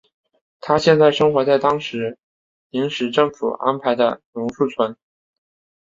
他现在生活在当时临时政府安排的龙树宫。